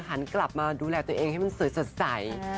หันกลับมาดูแลตัวเองให้มันสวยสดใส